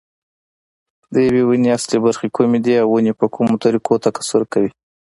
د یوې ونې اصلي برخې کومې دي او ونې په کومو طریقو تکثیر کېږي.